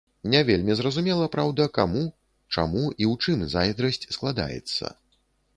Не вельмі зразумела, праўда, каму, чаму і ў чым зайздрасць складаецца.